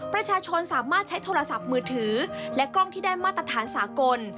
ประชาชนสามารถใช้โทรศัพท์มือถือและกล้องที่ได้มาตรฐานสากล